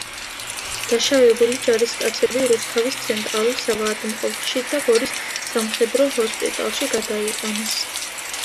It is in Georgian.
დაშავებული ჯარისკაცები რუსთავის ცენტრალურ საავადმყოფოში და გორის სამხედრო ჰოსპიტალში გადაიყვანეს.